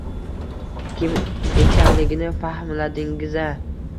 Kim ekanligini fahmladingiz-a?